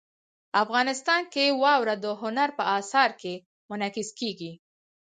افغانستان کې واوره د هنر په اثار کې منعکس کېږي.